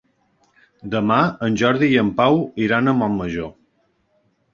Demà en Jordi i en Pau iran a Montmajor.